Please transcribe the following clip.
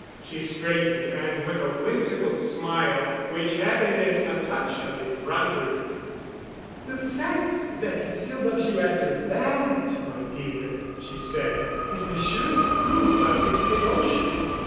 She straightened, and, with a whimsical smile which had in it a touch of effrontery, "The fact that he still loves you after that, my dear," she said, "is the surest proof of his devotion."